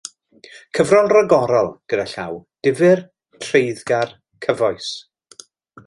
Cyfrol ragorol gyda llaw; difyr, treiddgar, cyfoes.